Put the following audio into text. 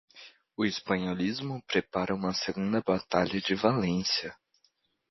O espanholismo prepara uma segunda batalha de Valência.